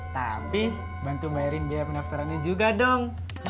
tapi bantu bayarin biaya pendaftarannya juga dong